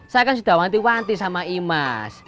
saya kan sudah wanti wanti sama imas